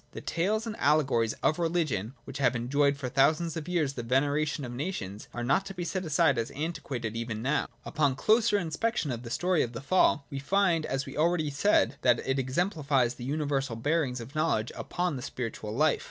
The tales and allegories of religion, which have enjoyed for thousands of years the veneration of nations, are not to be set aside as antiquated even now. Upon a closer inspection of the story of the Fall we find, as was already said, that it exemplifies the universal bearings , of knowledge upon the spiritual hfe.